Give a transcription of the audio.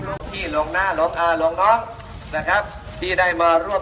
ของพวกเราเป็นญาติสัตว์ต้านโดยตันนี้แหละนะครับ